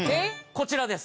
こちらです。